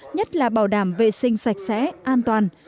nhất là bảo đảm vệ sinh sạch sẽ an toàn